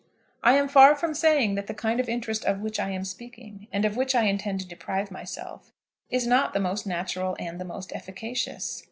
I am far from saying that the kind of interest of which I am speaking, and of which I intend to deprive myself, is not the most natural and the most efficacious.